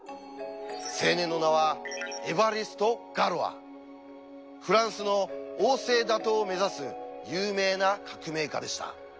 青年の名はフランスの王政打倒を目指す有名な革命家でした。